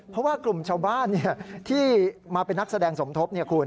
เพราะว่ากลุ่มชาวบ้านที่มาเป็นนักแสดงสมทบ